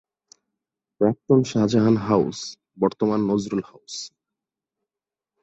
প্রাক্তন শাহজাহান হাউস, বর্তমান নজরুল হাউস।